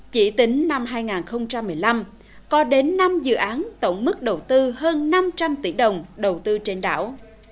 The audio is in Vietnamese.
chỉ tính năm hai nghìn một mươi năm có đến năm dự án tổng mức đầu tư hơn năm trăm linh tỷ đồng đầu tư trên đảo